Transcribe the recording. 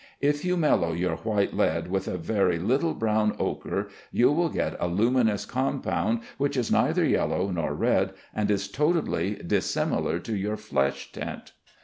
If you mellow your white lead with a very little brown ochre, you will get a luminous compound which is neither yellow nor red, and is totally dissimilar to your flesh tint.